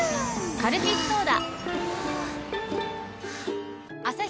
カルピスソーダ！